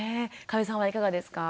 加部さんはいかがですか？